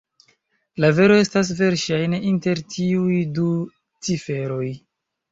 La vero estas verŝajne inter tiuj du ciferoj.